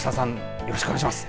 よろしくお願いします。